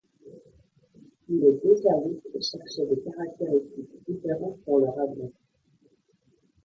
Les deux services cherchaient des caractéristiques différentes pour leur avion.